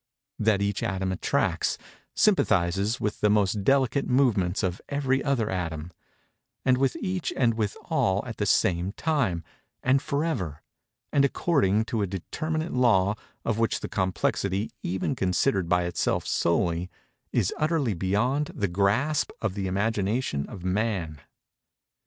That each atom attracts—sympathizes with the most delicate movements of every other atom, and with each and with all at the same time, and forever, and according to a determinate law of which the complexity, even considered by itself solely, is utterly beyond the grasp of the imagination of man.